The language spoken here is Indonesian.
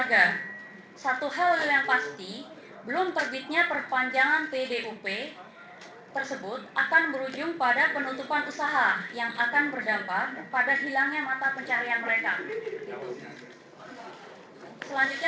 justru itu yang akan kita pertanyakan kenapa dengan hotel kita dan izin lainnya